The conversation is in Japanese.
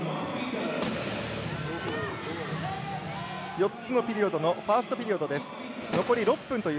４つのピリオドのファーストピリオド。